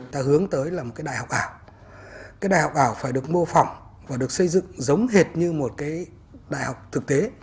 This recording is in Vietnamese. ta hướng tới là một cái đại học ảo cái đại học ảo phải được mô phỏng và được xây dựng giống hệt như một cái đại học thực tế